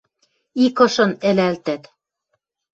Икышын ӹлӓлтӓт